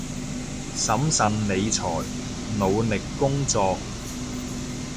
審慎理財，努力工作